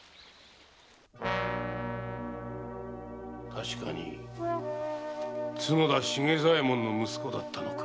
確かに角田茂左衛門の息子だったのか？